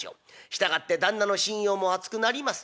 従って旦那の信用も厚くなります。